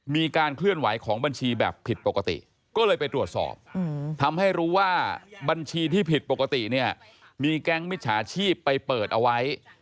มีการเคลื่อนไหวของบัญชีแบบผิดปกติก็เลยไปตรวจสอบทำให้รู้ว่าบัญชีที่ผิดปกติเนี่ยมีแก๊งมิจฉาชีพไปเปิดเอาไว้